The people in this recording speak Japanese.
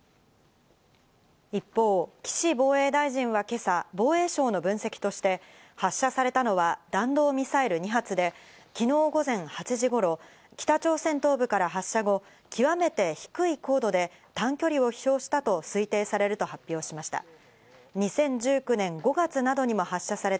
一方、岸防衛大臣は今朝、防衛省の分析として、発射されたのは弾道ミサイル２発で、昨日午前８時頃、北朝鮮東部から発射後、極めて低い高度で短距離を飛翔したと推定されると発表しました。